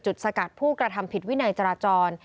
สกัดผู้กระทำผิดวินัยจราจร